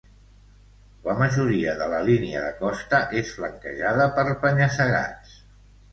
La majoria de la línia de costa és flanquejada per penya-segats.